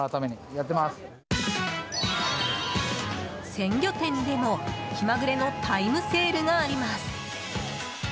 鮮魚店でも、気まぐれのタイムセールがあります。